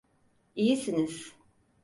İyisiniz.